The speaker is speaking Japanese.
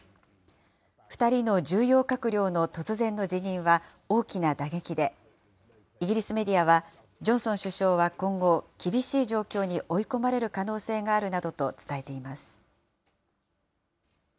２人の重要閣僚の突然の辞任は、大きな打撃で、イギリスメディアは、ジョンソン首相は今後、厳しい状況に追い込まれる可能性があるなどと伝えています。